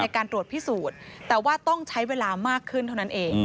การตรวจพิสูจน์แต่ว่าต้องใช้เวลามากขึ้นเท่านั้นเอง